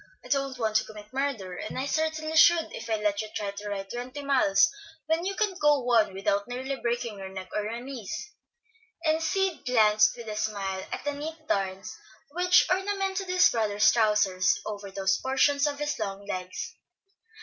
I don't want to commit murder, and I certainly should if I let you try to ride twenty miles when you can't go one without nearly breaking your neck, or your knees," and Sid glanced with a smile at the neat darns which ornamented his brother's trousers over those portions of his long legs.